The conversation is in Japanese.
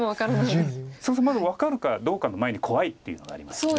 分かるかどうかの前に怖いっていうのがありますよね。